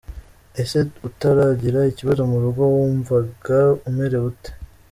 Ese utaragira ikibazo murugo wumvagaumerewe ute?